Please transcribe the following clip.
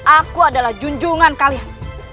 aku adalah junjungan kalian